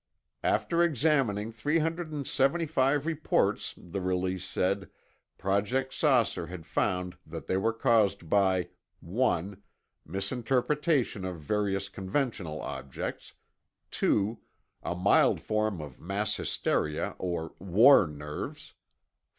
After examining 375 reports, the release said, Project "Saucer" had found that they were caused by: 1. Misinterpretation of various conventional objects. 2. A mild form of mass hysteria or "war nerves."